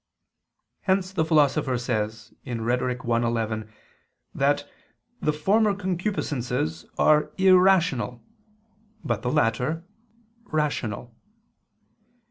Hence the Philosopher says (Rhet. i, 11) that the former concupiscences are "irrational," but the latter, "rational."